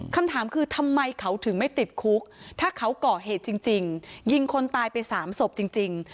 คำถามคือทำไมเขาถึงไม่ติดคุกถ้าเขาก่อเหตุจริงยิงคนตายไป๓ศพจริง